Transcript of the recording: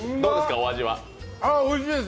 おいしいです！